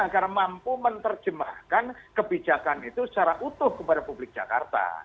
agar mampu menerjemahkan kebijakan itu secara utuh kepada publik jakarta